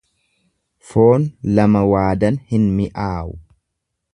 Foon lama waadan hin mi'aawu.